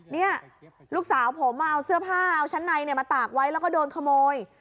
นี่ลูกสาวผมเอาเสื้อผ้าเอาชั้นในมาตากไว้แล้วก็โดนขโมย